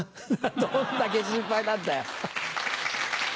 どんだけ心配なんだよ！